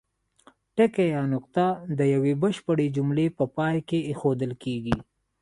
ټکی یا نقطه د یوې بشپړې جملې په پای کې اېښودل کیږي.